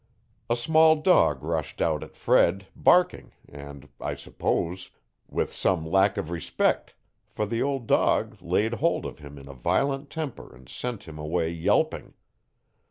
A small dog rushed out at Fred, barking, and, I suppose, with some lack of respect, for the old dog laid hold of him in a violent temper and sent him away yelping.